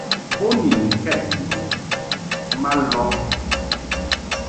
Bo ni ŋkɛd nduʼ ma lɔb.